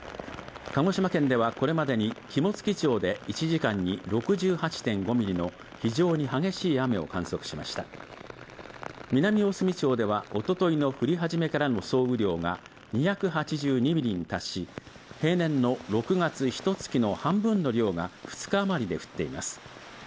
鹿児島県ではこれまでに肝付町で１時間に６８．５ミリの非常に激しい雨を観測しました南大隅町ではおとといの降り始めからの総雨量が２８２ミリに達し平年の６月ひと月の半分の量が２日余りで降っています